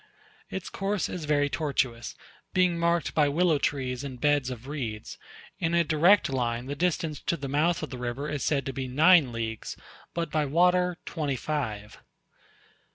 Its course is very tortuous, being marked by willow trees and beds of reeds: in a direct line the distance to the mouth of the river is said to be nine leagues, but by water twenty five.